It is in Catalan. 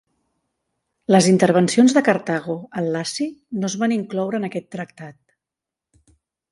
Les intervencions de Cartago al Laci no es van incloure en aquest tractat.